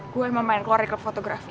gue yang mau main keluar di klub fotografi